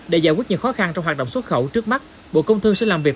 để giải quyết những khó khăn trong hoạt động xuất khẩu trước mắt bộ công thương sẽ làm việc